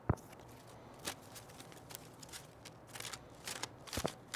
Thalamus ও হাইপোথ্যালামাসের সুপ্ত কর্মক্ষমতা জাগ্রত হবে।